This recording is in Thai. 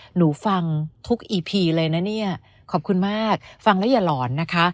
หนูฟังทุกอีพีเลยนะเนี่ยขอบคุณมากฟังแล้วอย่าหลอนนะคะ